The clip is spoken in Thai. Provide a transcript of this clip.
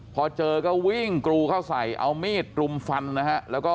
พอเจอก็วิ่งกรูเข้าใส่เอามีดรุมฟันนะฮะแล้วก็